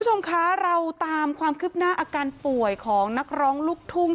คุณผู้ชมคะเราตามความคืบหน้าอาการป่วยของนักร้องลูกทุ่ง